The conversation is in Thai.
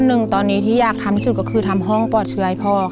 หนึ่งตอนนี้ที่อยากทำที่สุดก็คือทำห้องปลอดเชื้อให้พ่อค่ะ